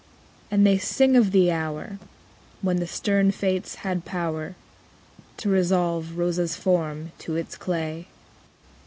And they sing of the hour When the stern fates had power To resolve Rosa's form to its clay.